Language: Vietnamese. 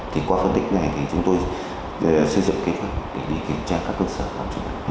thì qua phân tích này thì chúng tôi xây dựng kế hoạch để đi kiểm tra các cơ sở khám chữa bệnh